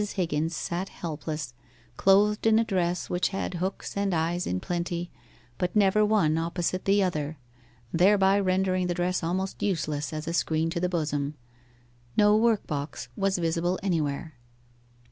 Higgins sat helpless, clothed in a dress which had hooks and eyes in plenty, but never one opposite the other, thereby rendering the dress almost useless as a screen to the bosom. No workbox was visible anywhere.